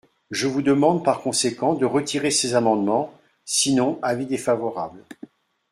Je vous demande par conséquent de retirer ces amendements, sinon avis défavorable.